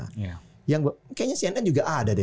kayaknya cnn juga ada deh